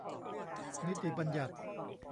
นิติบัญญัติ